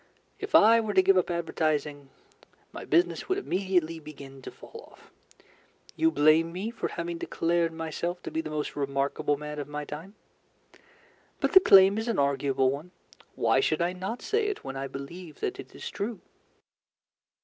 If I were to give up advertising, my business would immediately begin to fall off. You blame me for having declared myself to be the most remarkable man of my time. But the claim is an arguable one. Why should I not say it when I believe that it is true?